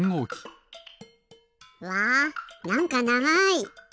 うわなんかながい。